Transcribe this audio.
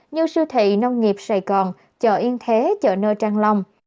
như siêu thị nông nghiệp sài gòn chợ yên thế chợ nơi trang long